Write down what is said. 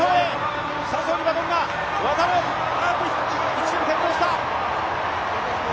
１チーム転倒した！